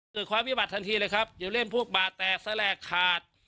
เกิดความวิบัติทันทีเลยครับอย่าเล่นพวกบาดแตกแสลกขาด